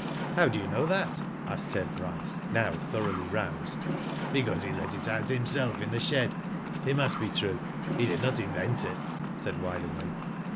"How do you know that?" asked Ted Bryce, now thoroughly roused. "Because he let it out himself in the shed. It must be true. He did not invent it," said Wide Awake.